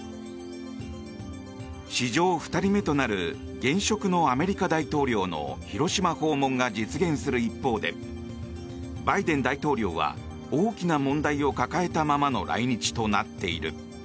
史上２人目となる現職のアメリカ大統領の広島訪問が実現する一方でバイデン大統領は大きな問題を抱えたままの来日となっている。